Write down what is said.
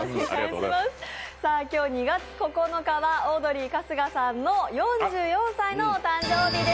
今日２月９日はオードリー・春日さんの４４歳のお誕生日です！